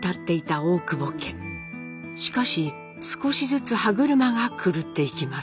しかし少しずつ歯車が狂っていきます。